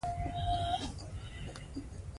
ملالۍ د خپل فداکارۍ له کبله ژوندی پاتې سوه.